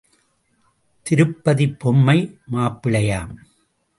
திருப்பதிப் பொம்மை மாப்பிள்ளையாம்.